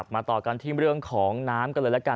ต่อกันที่เรื่องของน้ำกันเลยละกัน